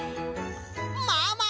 ママ！